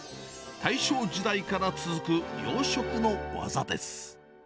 大正時代から続く洋食の技です。